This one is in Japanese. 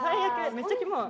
めっちゃきもい。